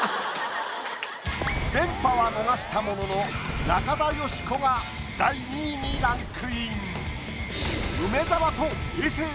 連覇は逃したものの中田喜子が第２位にランクイン。